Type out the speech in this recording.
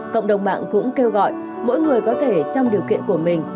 cộng đồng mạng cũng kêu gọi mỗi người có thể trong điều kiện của mình